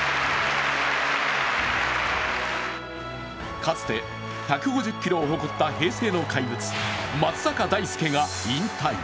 かつて１５０キロを誇った平成の怪物・松坂大輔が引退。